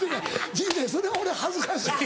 陣内それは俺恥ずかしいなっ。